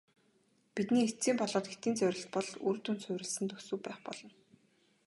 Бидний эцсийн болоод хэтийн зорилт бол үр дүнд суурилсан төсөв байх болно.